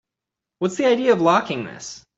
What's the idea of locking this?